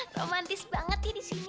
romantis banget nih di sini